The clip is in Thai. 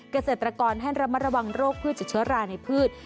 เกษตรกรให้ระมัดระวังโรคพืชจากเชื้อราในพืช